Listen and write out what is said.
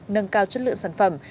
nâng cao chất lượng sản phẩm